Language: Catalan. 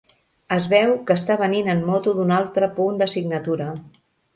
Es veu que està venint en moto d'un altre punt de signatura.